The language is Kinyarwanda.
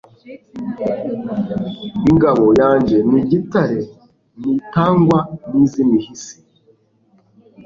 Ingabo yanjye ni igitare ntitangwa n' iz' imihisi